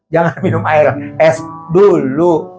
jangan minum air es dulu